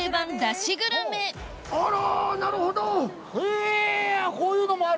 へぇこういうのもある？